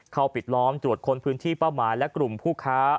ปิดล้อมตรวจค้นพื้นที่เป้าหมายและกลุ่มผู้ค้า